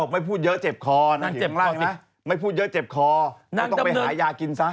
ไม่พูดเยอะเจ็บคอต้องไปหายากินซะ